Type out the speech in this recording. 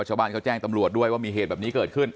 ชาวบ้านเขาแจ้งตำรวจด้วยว่ามีเหตุแบบนี้เกิดขึ้น